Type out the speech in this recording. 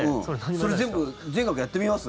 それ全部全額やってみます？